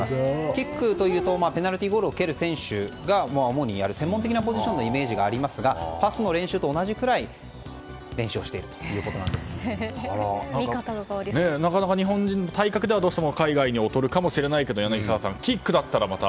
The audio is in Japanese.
キックというとペナルティーゴールを蹴る選手が主にやる専門的なポジションのイメージがありますがパスの練習と同じくらいなかなか日本人は体格では海外に劣るかもしれませんが柳澤さん、キックだったらまた。